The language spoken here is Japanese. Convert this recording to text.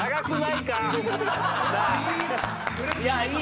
「いやいい画！